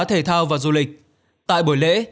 thể thao và du lịch tại buổi lễ